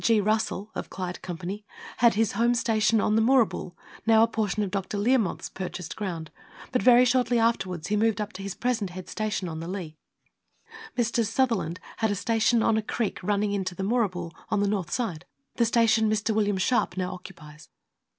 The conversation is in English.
G . Russell (Clyde Company) had his home station on the Moorabool, now a portion of Dr. Learmonth^ purchased ground, but very shortly afterwards he moved up to his present head station, on the Leigh. Messrs. Sutherland had a station on a creek running into the Moorabool, on the north side the station Mr. William Sharpe now occupies.